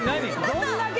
どんだけ。